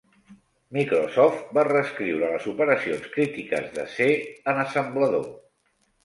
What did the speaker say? Microsoft va reescriure les operacions crítiques de C en assemblador.